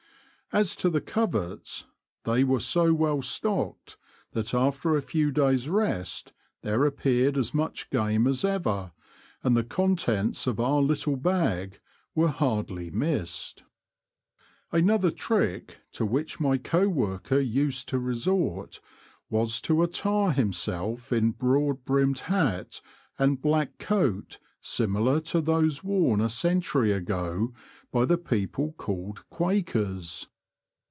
As to the coverts, they were so well stocked, that after a few days' rest there appeared as much game as ever, and the contents of our little bag were hardly missed. Another trick to which my co worker used to resort was to attire himself in broad brimmed hat and black coat similar to those worn a century ago by the people called Quakers.